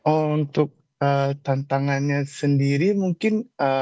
untuk tantangannya sendiri mungkin